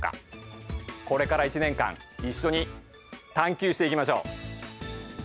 これから１年間一緒に探究していきましょう。